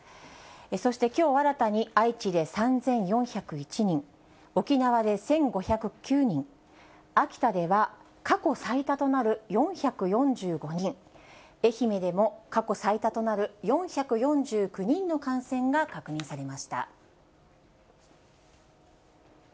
そしてきょう新たに愛知で３４０１人、沖縄で１５０９人、秋田では過去最多となる４４５人、愛媛でも過去最多となる４４９人の感染が確認されました。